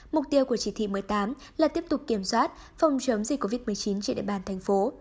mục tiêu của chỉ thị một mươi tám là tiếp tục kiểm soát phòng chống dịch covid một mươi chín trên địa bàn thành phố